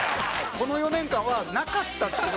この４年間はなかったっていう事。